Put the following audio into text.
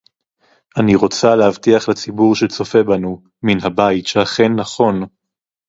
אני רוצה להבטיח לציבור שצופה בנו מן הבית שאכן נכון